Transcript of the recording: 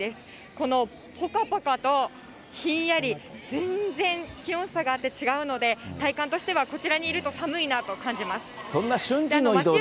このぽかぽかとひんやり、全然気温差があって違うので、体感としてはこちらにいると寒いなと感じます。